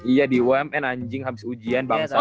iya di bumn anjing habis ujian bangsa